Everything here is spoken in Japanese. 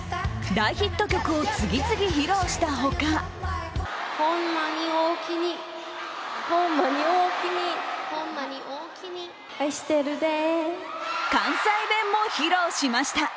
大ヒット曲を次々披露したほか関西弁も披露しました。